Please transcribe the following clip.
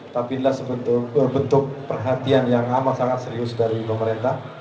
tapi adalah sebuah bentuk perhatian yang amat amat serius dari pemerintah